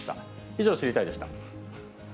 以上、知りたいッ！でした。